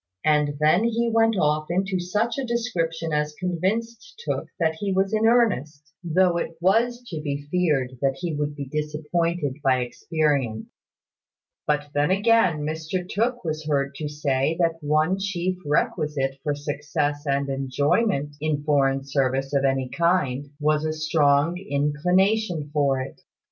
And then he went off into such a description as convinced Tooke that he was in earnest, though it was to be feared that he would be disappointed by experience. But then again, Mr Tooke was heard to say that one chief requisite for success and enjoyment in foreign service of any kind was a strong inclination for it.